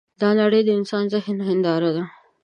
دا نړۍ د انسان د ذهن هینداره ده.